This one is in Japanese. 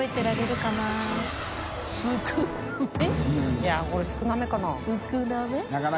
いやこれ少なめかな？